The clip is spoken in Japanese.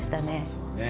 そうね。